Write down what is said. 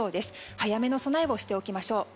早めの備えをしておきましょう。